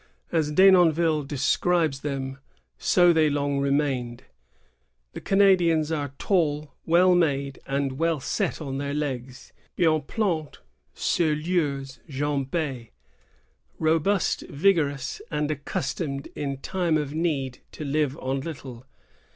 As Denonville describes them, so they long remained. "The Canadians are tall, well made, and well set on their legs [bien planUs 8ur leurs jambes]^ robust, vigorous, and accus tomed in time of need to live on little.